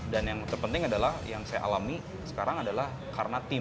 yang terpenting adalah yang saya alami sekarang adalah karena tim